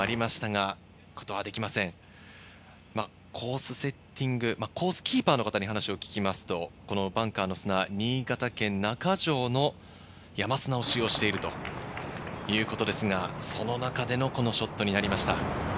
やはり勇気がいるという、その塩谷さんからのお言葉もありましたが、コースセッティング、コースキーパーの方に話を聞きますと、このバンカーの砂、新潟県中条の山砂を使用しているということですが、その中でのこのショットになりました。